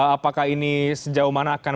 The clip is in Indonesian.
apakah ini sejauh mana akan